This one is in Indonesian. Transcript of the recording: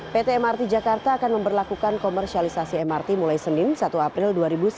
pt mrt jakarta akan memperlakukan komersialisasi mrt mulai senin satu april dua ribu sembilan belas